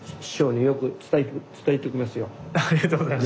ありがとうございます。